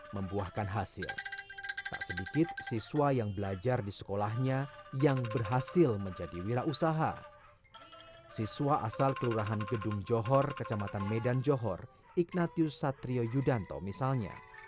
pemusahan gedung johor kecamatan medan johor ignatius satrio yudanto misalnya